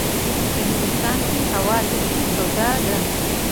په هندوستان کې هوا داسې توده وي.